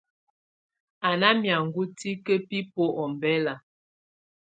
Á na miangɔ̀á tikǝ́ bibuǝ́ ɔmbɛla.